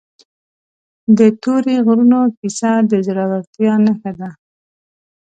د تورې غرونو کیسه د زړورتیا نښه ده.